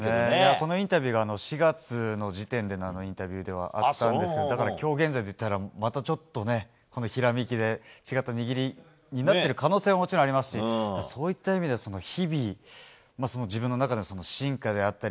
このインタビューは４月の時点でのインタビューではあったんですけどだから今日現在だとまたちょっとひらめきで違った握りになっている可能性はもちろんありますしそういった意味で、日々自分の中での進化だったり。